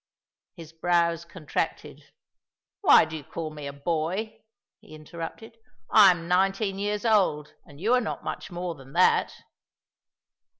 His brows contracted. "Why do you call me a boy?" he interrupted. "I am nineteen years old, and you are not much more than that."